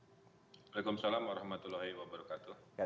waalaikumsalam warahmatullahi wabarakatuh